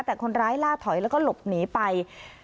แต่คนร้ายล่าถอยแล้วก็หลบหนีไป